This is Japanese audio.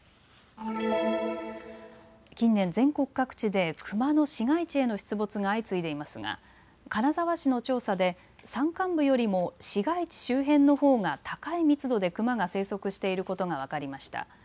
近年、全国各地でクマの市街地への出没が相次いでいますが金沢市の調査で山間部よりも市街地周辺のほうが高い密度でクマが生息していることが分かりました。